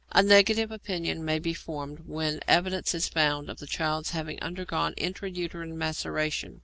A negative opinion may be formed when evidence is found of the child having undergone intra uterine maceration.